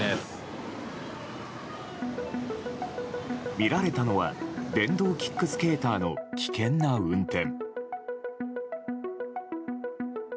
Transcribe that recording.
見られたのは電動キックスケーターの危険な運転。